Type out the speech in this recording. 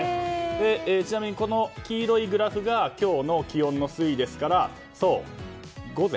ちなみにこの黄色いグラフが今日の気温の推移ですからそう、午前。